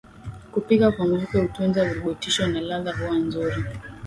Kupika kwa mvuke hutunza virutubisho na ladha huwa nzuri